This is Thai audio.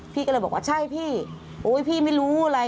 พี่ก็เลยบอกว่าใช่พี่โอ๊ยพี่ไม่รู้อะไร